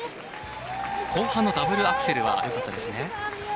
後半のダブルアクセルはよかったですね。